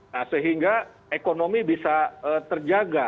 nah sehingga ekonomi bisa terjaga